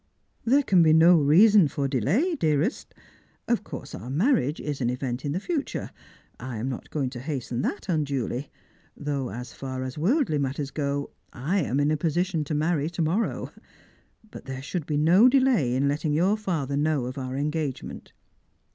"There can be no reason for delay, dearest. Of course our marriage is an event in the future. I am not going to hasten that unduly. Though, as far as worldly matters go, I am in a Eosition to marry to morrow. But there should be no delay in .jtting yout father know of our engagement."